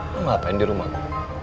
lo ngapain di rumah lo